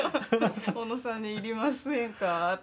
小野さんに「いりませんか？」って言って。